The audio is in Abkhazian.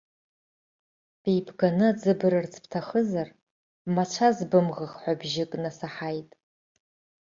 Беибганы аӡы бырырц бҭахызар, бмацәаз бымӷых ҳәа бжьык насаҳаит.